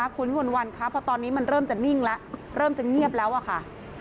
คุณวิมวลวันคะเพราะตอนนี้มันเริ่มจะนิ่งแล้วเริ่มจะเงียบแล้วอะค่ะ